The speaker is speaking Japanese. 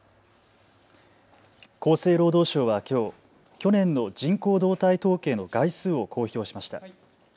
厚生労働省はきょう、去年の人口動態統計の概数を公表しました。